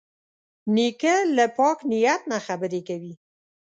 نیکه له پاک نیت نه خبرې کوي.